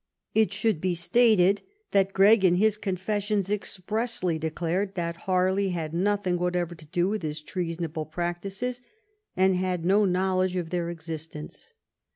It should be stated that Gregg, in his confessions, expressly de clared that Harley had nothing whatever to do with his treasonable practices and had no knowledge of their existence.